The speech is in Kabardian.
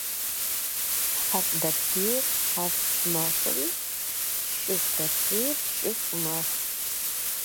ХьэфӀ дэплъейр хьэфӀ мэхъури, шыфӀ дэплъейр шыфӀ мэхъу.